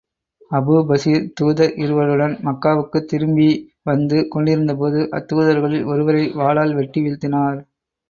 Abu Basir தூதர் இருவருடன் மக்காவுக்குத் திரும்பி வந்து கொண்டிருந்த போது, அத்தூதர்களில் ஒருவரை வாளால் வெட்டி வீழ்த்தினார்.